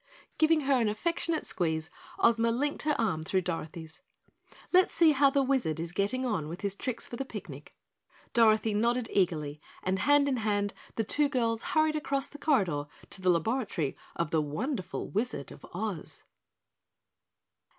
Giving her an affectionate squeeze, Ozma linked her arm through Dorothy's. "Let's see how the Wizard is getting on with his tricks for the picnic." Dorothy nodded eagerly, and hand in hand the two girls hurried across the corridor to the laboratory of the wonderful Wizard of Oz.